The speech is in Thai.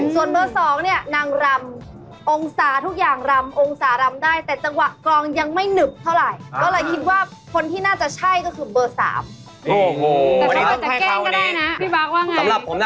ส่วนเบอร์สองนี่นางรำ